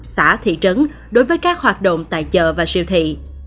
xã thị trấn đối với các hoạt động tại chợ và siêu thị